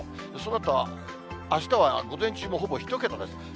そのあと、あしたは午前中もほぼ１桁です。